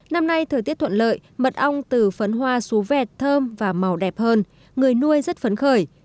năm nay thời tiết thuận lợi mật ong từ phấn hoa xú vẹt thơm và màu đẹp hơn người nuôi rất phấn khởi